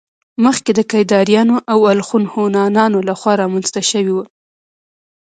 مخکې د کيداريانو او الخون هونانو له خوا رامنځته شوي وو